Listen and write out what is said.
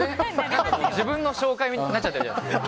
自分の紹介になっちゃってるじゃないですか。